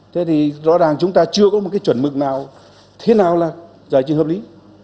thế thì rõ ràng chúng ta chưa có một cái chuẩn mực nào thế nào là giải trừ hợp lý